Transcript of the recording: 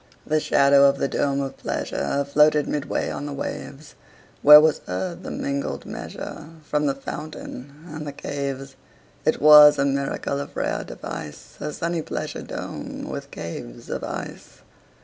30 The shadow of the dome of pleasure Floated midway on the waves; Where was heard the mingled measure From the fountain and the caves. It was a miracle of rare device, 35 A sunny pleasure dome with caves of ice!